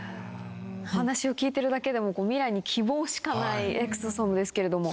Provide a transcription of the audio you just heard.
お話を聞いてるだけでも未来に希望しかないエクソソームですけれども。